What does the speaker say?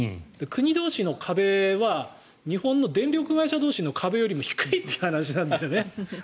国同士の壁は日本の電力会社同士の壁よりも低いという話なんだよね。